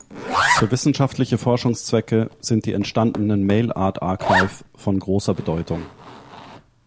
Für wissenschaftliche Forschungszwecke sind die entstandenen "Mail Art Archive" von großer Bedeutung.